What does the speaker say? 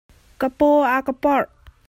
Ka paw a ka porh.